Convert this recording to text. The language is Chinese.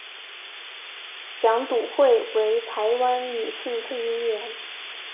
蒋笃慧为台湾女性配音员。